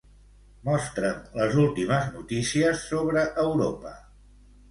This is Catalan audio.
Mostra'm les últimes notícies sobre Europa.